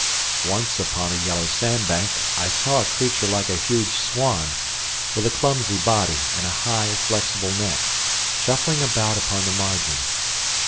Once upon a yellow sandbank I saw a creature like a huge swan, with a clumsy body and a high, flexible neck, shuffling about upon the margin.